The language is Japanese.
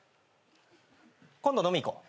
今度飲みに行こう。